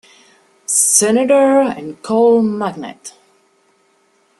Senator and coal magnate.